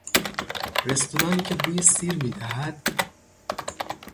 رستورانی که بوی سیر میدهد